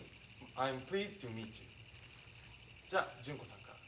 じゃあ純子さんから。